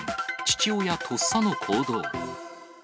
父親とっさの行動。